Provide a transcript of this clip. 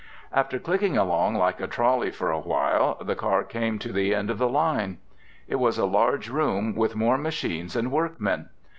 After clicking along like a trolley for awhile, the car came to the end of the line. It was a large room with more machines and workmen.